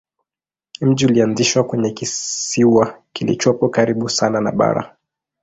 Mji ulianzishwa kwenye kisiwa kilichopo karibu sana na bara.